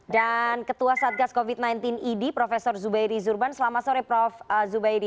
dan ketua satgas covid sembilan belas id prof zubairi zurban selamat sore prof zubairi